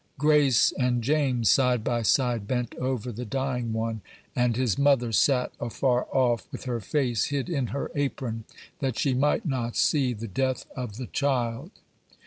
Grace and James, side by side, bent over the dying one, and his mother sat afar off, with her face hid in her apron, "that she might not see the death of the child."